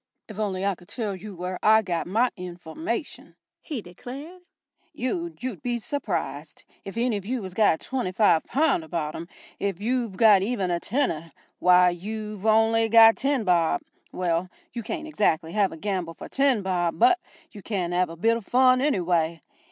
"If only I could tell you where I got my information," he declared, "you'd you'd be s'prised. If any of you has got twenty five pahnd abaht him if you've got even a tenner why, you've only got ten bob well, you can't exactly have a gamble for ten bob, but you can 'ave a bit o' fun, anyway.